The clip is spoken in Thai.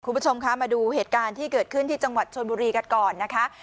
คุณผู้ชมคะมาดูเหตุการณ์ที่เกิดขึ้นที่จังหวัดชนบุรีกันก่อนนะคะ